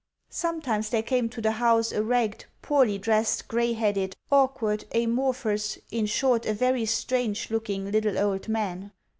Sometimes there came to the house a ragged, poorly dressed, grey headed, awkward, amorphous in short, a very strange looking little old man.